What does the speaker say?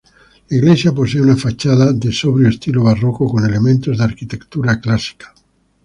La iglesia posee una fachada de sobrio estilo barroco con elementos de arquitectura clásica.